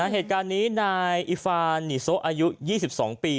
เหตุการณ์นี้นายอิฟานหนีโซะอายุ๒๒ปี